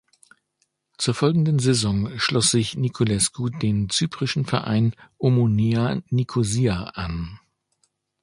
Zur folgenden Saison schloss sich Niculescu den zyprischen Verein Omonia Nikosia an.